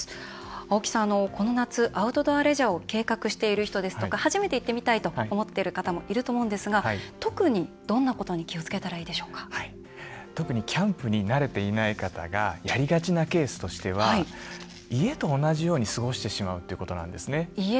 青木さん、この夏アウトドアレジャーを計画している人ですとか初めて行ってみたいと思っている方もいると思うんですが特にどんなことに特にキャンプに慣れていない方がやりがちなケースとしては家と同じように過ごしてしまうことなんですね。